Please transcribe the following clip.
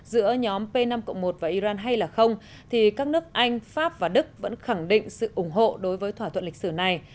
giữa nhóm p năm một và iran hay là không thì các nước anh pháp và đức vẫn khẳng định sự ủng hộ đối với thỏa thuận lịch sử này